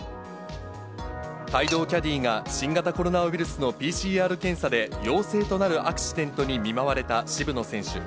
帯同キャディーが新型コロナウイルスのＰＣＲ検査で陽性となるアクシデントに見舞われた渋野選手。